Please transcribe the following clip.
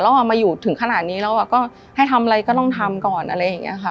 เอามาอยู่ถึงขนาดนี้แล้วก็ให้ทำอะไรก็ต้องทำก่อนอะไรอย่างนี้ค่ะ